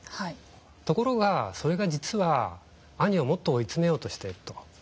ところがそれが実は兄をもっと追い詰めようとしていると。